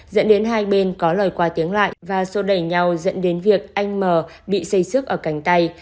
dẫn đến hai bên có lời qua tiếng lại và sô đẩy nhau dẫn đến việc anh m bị xây sức ở cành tay